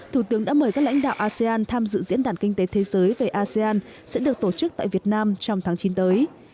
thủ tướng đã mời các lãnh đạo asean tham dự diễn đàn kinh tế thế giới về asean sẽ được tổ chức tại việt nam trong tháng chín tới